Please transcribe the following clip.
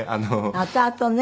あとあとね。